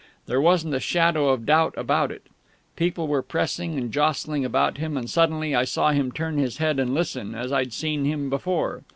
There wasn't a shadow of doubt about it. People were pressing and jostling about him, and suddenly I saw him turn his head and listen, as I'd seen him before.